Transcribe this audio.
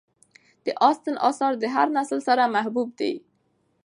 د اسټن آثار د هر نسل سره محبوب دي.